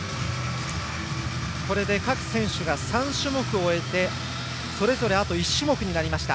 これで各選手が３種目を終えてそれぞれあと１種目になりました。